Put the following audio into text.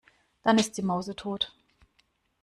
Dann ist sie mausetot.